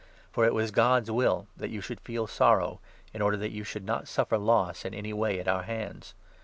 For it was God's will that you should feel sorrow, in order that you should not suffer loss in any way at our hands.